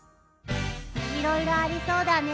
いろいろありそうだね。